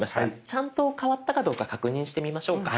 ちゃんと変わったかどうか確認してみましょうか。